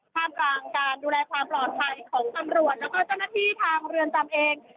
ท่ามกลางการดูแลความปลอดภัยของตำรวจแล้วก็เจ้าหน้าที่ทางเรือนจำเอง